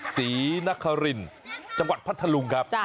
ศรีนครินจังหวัดพัทธลุงครับ